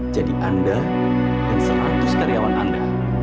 jadi anda dan seratus karyawan anda